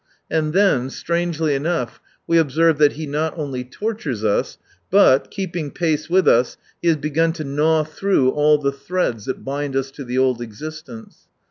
And then, strangely enough, we observe that he not only tortures us, but, keeping pace with us, he has begun to gnaw through all the threads that bind us to the old existence.